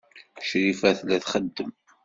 Crifa tella txeddem.